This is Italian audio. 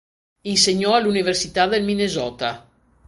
Insegnò all'Università del Minnesota.